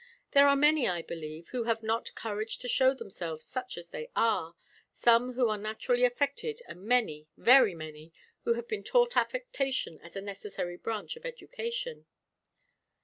There are many, I believe, who have not courage to show themselves such as they are some who are naturally affected and many, very many, who have been taught affectation as a necessary branch of education."